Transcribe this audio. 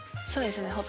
そうですね。